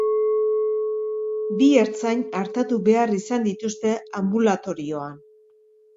Bi ertzain artatu behar izan dituzte anbulatorioan.